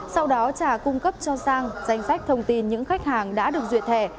sau đó trả cung cấp cho sang danh sách thông tin những khách hàng đã được duyệt thẻ